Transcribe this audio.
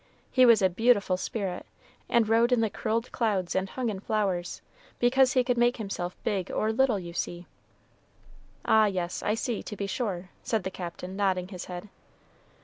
He was a beautiful spirit, and rode in the curled clouds and hung in flowers, because he could make himself big or little, you see." "Ah, yes, I see, to be sure," said the Captain, nodding his head.